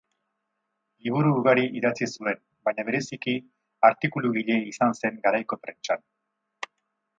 Liburu ugari idatzi zuen baina bereziki artikulugile izan zen garaiko prentsan.